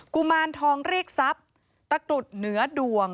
กุมารทองเรียกทรัพย์ตะกรุดเหนือดวง